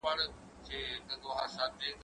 زه پرون مړۍ خورم؟!